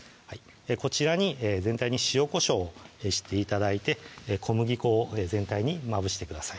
こちらに全体に塩・こしょうをして頂いて小麦粉を全体にまぶしてください